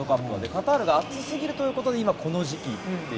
カタールが暑すぎるということで今のこの時期と。